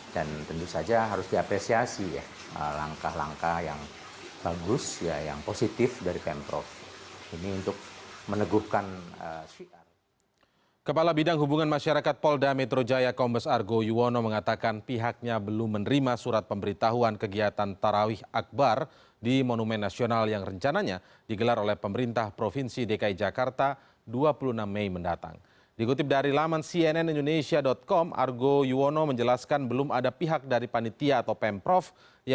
dan tentu saja harus diapresiasi langkah langkah yang bagus yang positif dari pemprov